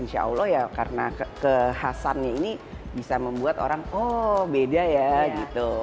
insya allah ya karena kekhasannya ini bisa membuat orang oh beda ya gitu